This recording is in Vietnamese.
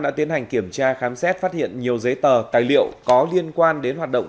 đã tiến hành kiểm tra khám xét phát hiện nhiều giấy tờ tài liệu có liên quan đến hoạt động